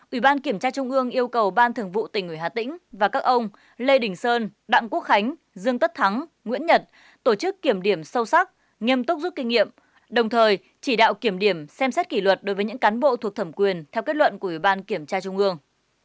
ủy ban kiểm tra trung ương yêu cầu ban thường vụ tỉnh ủy hà tĩnh và các ông lê đình sơn đặng quốc khánh dương tất thắng nguyễn nhật tổ chức kiểm điểm sâu sắc nghiêm túc rút kinh nghiệm đồng thời chỉ đạo kiểm điểm xem xét kỷ luật đối với những cán bộ thuộc thẩm quyền theo kết luận của ủy ban kiểm tra trung ương